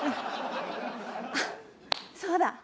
あっそうだ！